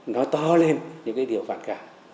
nó to lên những cái điều phản cảm